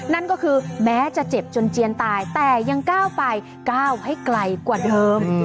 นั่นก็คือแม้จะเจ็บจนเจียนตายแต่ยังก้าวไปก้าวให้ไกลกว่าเดิม